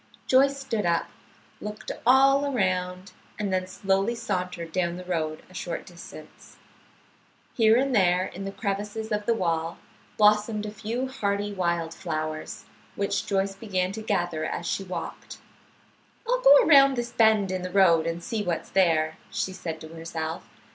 Joyce stood up, looked all around, and then slowly sauntered down the road a short distance. Here and there in the crevices of the wall blossomed a few hardy wild flowers, which Joyce began to gather as she walked. "I'll go around this bend in the road and see what's there," she said to herself.